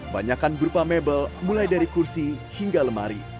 banyakan berupa mebel mulai dari kursi hingga lemari